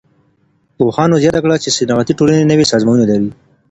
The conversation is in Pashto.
پوهانو زياته کړه چي صنعتي ټولني نوي سازمانونه لري.